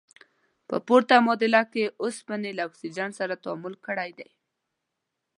په پورته معادله کې اوسپنې له اکسیجن سره تعامل کړی.